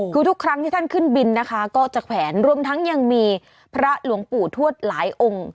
คือทุกครั้งที่ท่านขึ้นบินนะคะก็จะแขวนรวมทั้งยังมีพระหลวงปู่ทวดหลายองค์